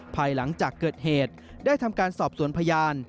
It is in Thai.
ภายหลังจากเกิดเหตุได้ทำการสอบสวนพยาน